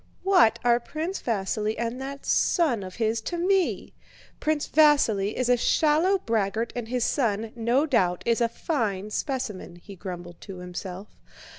"What are Prince Vasíli and that son of his to me? Prince Vasíli is a shallow braggart and his son, no doubt, is a fine specimen," he grumbled to himself.